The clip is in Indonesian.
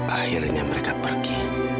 akhirnya mereka pergi